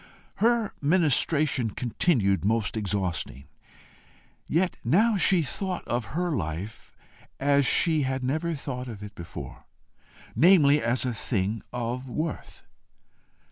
Her ministration continued most exhausting. Yet now she thought of her life as she had never thought of it before, namely as a thing of worth.